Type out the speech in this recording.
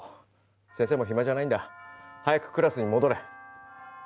先生も暇じゃないんだ早くクラスに戻れ。